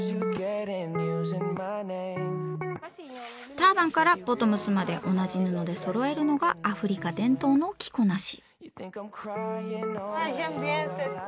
ターバンからボトムスまで同じ布でそろえるのがアフリカ伝統の着こなし。